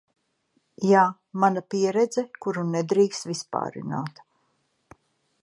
Jā, mana pieredze, kuru nedrīkst vispārināt